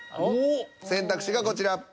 選択肢がこちら。